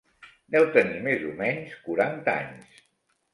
Deu tenir més o menys quaranta anys.